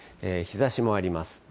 日ざしもあります。